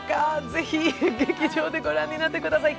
ぜひ劇場でご覧になってください。